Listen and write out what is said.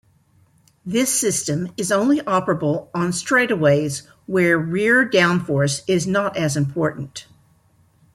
This system is only operable on straightaways where rear downforce is not as important.